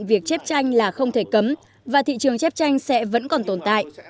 việc chép tranh là không thể cấm và thị trường chép tranh sẽ vẫn còn tồn tại